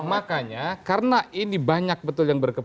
makanya karena ini banyak betul yang berkembang